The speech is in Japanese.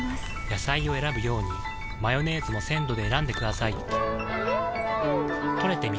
野菜を選ぶようにマヨネーズも鮮度で選んでくださいん！